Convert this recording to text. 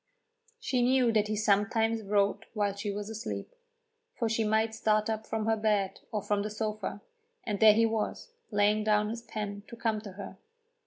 She knew that he sometimes wrote while she was asleep, for she might start up from her bed or from the sofa, and there he was, laying down his pen to come to her.